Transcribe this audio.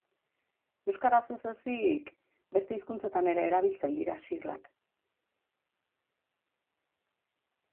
Euskaraz ez ezik, beste hizkuntzetan ere erabiltzen dira siglak.